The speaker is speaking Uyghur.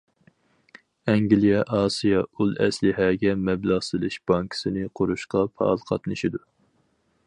ئەنگلىيە ئاسىيا ئۇل ئەسلىھەگە مەبلەغ سېلىش بانكىسىنى قۇرۇشقا پائال قاتنىشىدۇ.